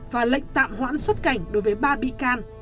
và lệnh tạm hoãn xuất cảnh đối với ba bị can